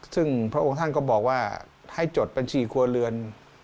ซึ่งพระองค์ท่านก็บอกว่าให้จดบัญชีครัวเรือน